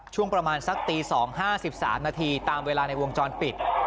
ช่วงประมาณสักตีสองห้าสิบสามนาทีตามเวลาในวงจรปิด